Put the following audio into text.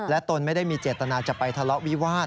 ตนไม่ได้มีเจตนาจะไปทะเลาะวิวาส